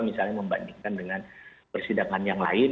misalnya membandingkan dengan persidangan yang lain